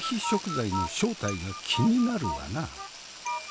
食材の正体が気になるわな。